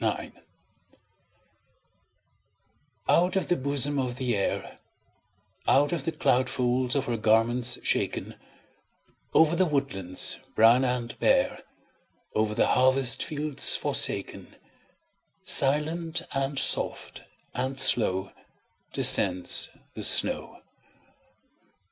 SNOW FLAKES Out of the bosom of the Air, Out of the cloud folds of her garments shaken, Over the woodlands brown and bare, Over the harvest fields forsaken, Silent, and soft, and slow Descends the snow.